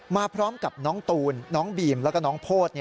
มาพร้อมกับน้องตูนน้องบีมแล้วก็น้องโพธิ